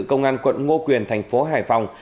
công an quận ngô quyền thành phố hải phòng